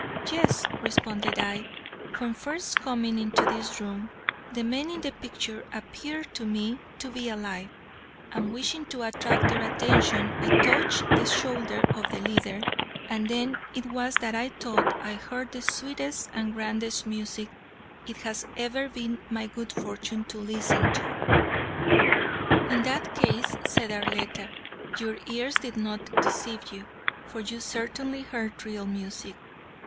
"Yes," responded I, "when first coming into this room, the men in the picture appeared to me to be alive, and wishing to attract their attention I touched the shoulder of the leader, and then it was that I thought I heard the sweetest and grandest music it has ever been my good fortune to listen to." "In that case," said Arletta, "your ears did not deceive you, for you certainly heard real music.